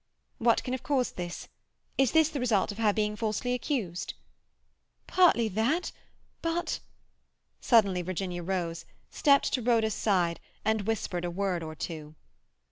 "What can have caused this? Is it the result of her being falsely accused?" "Partly that. But—" Suddenly Virginia rose, stepped to Rhoda's side, and whispered a word or two.